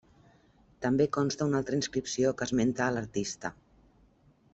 També consta una altra inscripció que esmenta a l'artista.